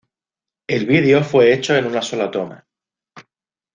El vídeo fue hecho en una sola toma.